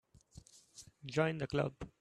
Join the Club.